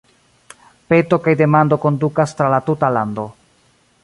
Peto kaj demando kondukas tra la tuta lando.